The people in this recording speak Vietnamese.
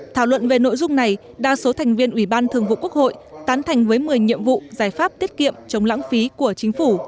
thảo luận về nội dung này đa số thành viên ủy ban thường vụ quốc hội tán thành với một mươi nhiệm vụ giải pháp tiết kiệm chống lãng phí của chính phủ